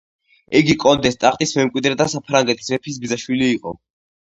იგი კონდეს ტახტის მემკვიდრე და საფრანგეთის მეფის ბიძაშვილი იყო.